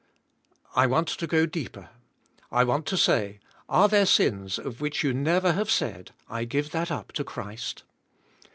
I want to g o deeper. I want to say, are there sins of which you never have said, "I give that up to Christ?"